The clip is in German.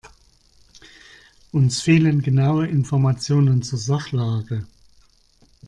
Uns fehlen genaue Informationen zur Sachlage.